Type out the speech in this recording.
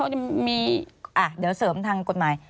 เดี๋ยวเสริมทางกฎหมาย